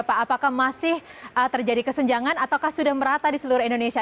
apakah masih terjadi kesenjangan ataukah sudah merata di seluruh indonesia